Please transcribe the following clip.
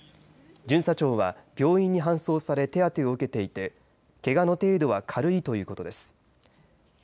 巡査長は病院に搬送され手当てを受けていてけがの程度は軽いということです。